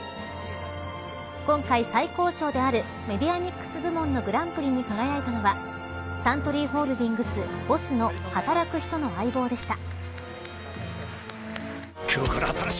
今回、最高賞であるメディアミックス部門のグランプリに輝いたのがサントリーホールディングスＢＯＳＳの働く人の相棒でした。